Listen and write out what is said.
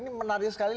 ini menarik sekali